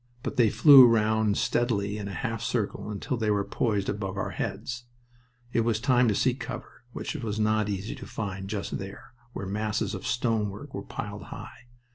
But they flew round steadily in a half circle until they were poised above our heads. It was time to seek cover, which was not easy to find just there, where masses of stonework were piled high.